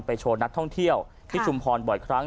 โชว์นักท่องเที่ยวที่ชุมพรบ่อยครั้ง